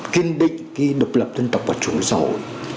kiên định cái độc lập dân tộc và chủ nghĩa xã hội